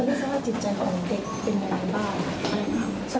ตอนนี้สภาพจิตใจของเด็กเป็นยังไงบ้าง